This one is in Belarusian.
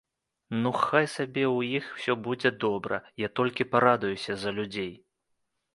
Ну, хай сабе ў іх усё будзе добра, я толькі парадуюся за людзей.